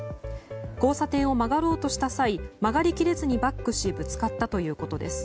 交差点を曲がろうとした際曲がり切れずにバックしぶつかったということです。